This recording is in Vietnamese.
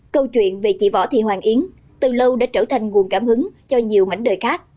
câu chuyện về chị võ thị hoàng yến từ lâu đã trở thành nguồn cảm hứng cho nhiều mảnh đời khác